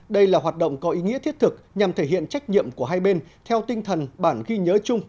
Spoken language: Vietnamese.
đây là hoạt động có ý nghĩa thiết thực nhằm thể hiện trách nhiệm của hai bên theo tinh thần bản ghi nhớ chung